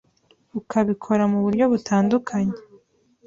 ukabikora mu buryo butandukanye